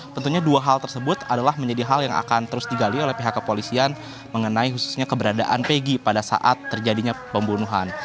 tentunya dua hal tersebut adalah menjadi hal yang akan terus digali oleh pihak kepolisian mengenai khususnya keberadaan pegi pada saat terjadinya pembunuhan